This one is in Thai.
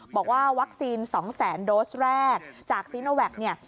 บอกว่าวัคซีน๒แสนโดสแรกจากซีนโนแวก